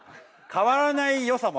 変わらないよさも。